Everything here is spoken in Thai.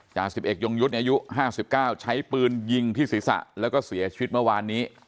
จาสิบเอกยงยุทธ์อายุห้าสิบเก้าใช้ปืนยิงที่ศรีษะแล้วก็เสียชีวิตเมื่อวานนี้